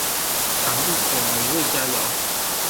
嚐一口美味佳肴